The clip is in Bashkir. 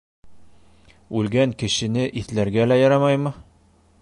Үлгән кешене иҫләргә лә ярамаймы?!